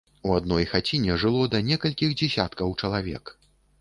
У адной хаціне жыло да некалькіх дзесяткаў чалавек.